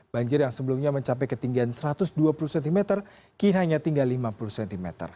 banjir yang sebelumnya mencapai ketinggian satu ratus dua puluh cm kini hanya tinggal lima puluh cm